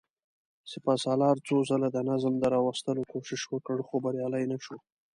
سپهسالار څو ځله د نظم د راوستلو کوشش وکړ، خو بريالی نه شو.